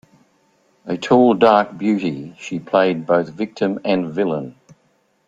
A tall, dark beauty, she played both victim and villain.